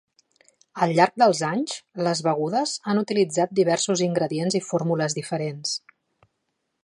Al llarg dels anys, les begudes han utilitzat diversos ingredients i fórmules diferents.